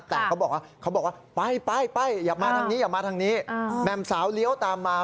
แต่เขาบอกว่าไปอย่ามาทางนี้แหม่มสาวเลี้ยวตามมา